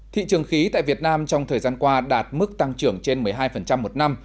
thị trường khí tại việt nam trong thời gian qua đạt mức tăng trưởng trên một mươi hai một năm